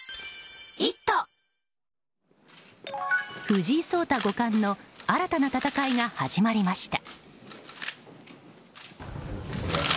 藤井聡太五冠の新たな戦いが始まりました。